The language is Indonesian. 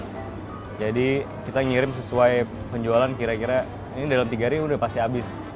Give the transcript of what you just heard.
dari tiga hari jadi kita ngirim sesuai penjualan kira kira ini dalam tiga hari udah pasti habis